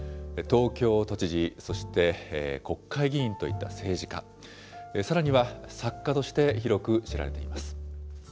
東京都知事、そして、国会議員といった政治家、さらには作家として広く知られています。